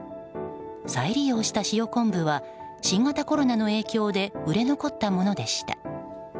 再利用した塩昆布は新型コロナの影響で売れ残ったものでした。